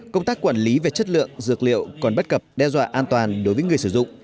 công tác quản lý về chất lượng dược liệu còn bất cập đe dọa an toàn đối với người sử dụng